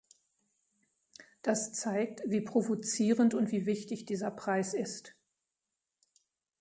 Das zeigt, wie provozierend und wie wichtig dieser Preis ist.